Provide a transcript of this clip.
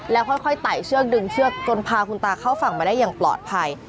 แล้วค่อยไต่เชือกดึงเชือกจนพาคุณตาเข้าฝั่งมาได้อย่างปลอดภัย